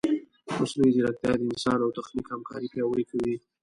مصنوعي ځیرکتیا د انسان او تخنیک همکاري پیاوړې کوي.